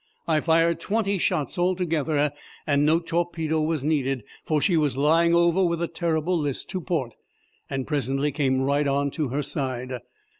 I fired twenty shots altogether, and no torpedo was needed, for she was lying over with a terrible list to port, and presently came right on to her side.